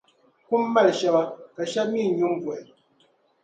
kum mali shɛba ka shɛb’ mi nyu m-buɣi.